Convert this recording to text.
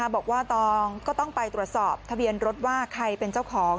บอกว่าตองก็ต้องไปตรวจสอบทะเบียนรถว่าใครเป็นเจ้าของ